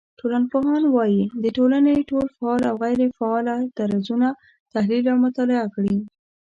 ټولنپوهان بايد د ټولني ټول فعال او غيري فعاله درځونه تحليل او مطالعه کړي